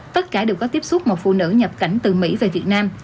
tất cả đều có tiếp xúc một phụ nữ nhập cảnh từ mỹ về việt nam